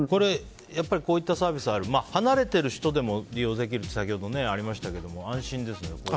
こういったサービスがあって離れている人でも利用できるって先ほどありましたけど安心ですよね。